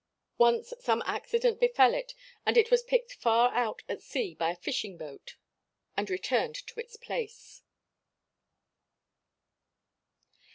Once some accident befell it and it was picked far out at sea by a fishing boat and returned to its place.